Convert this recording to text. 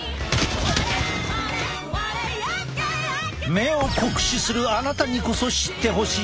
目を酷使するあなたにこそ知ってほしい！